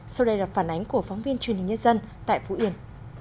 sau đây là phản ánh của phóng viên truyền hình nhân dân tại phú yên